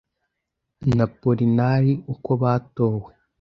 N'Apolinari uko batowe